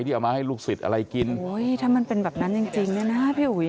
เอามาให้ลูกศิษย์อะไรกินโอ้ยถ้ามันเป็นแบบนั้นจริงจริงเนี่ยนะพี่อุ๋ย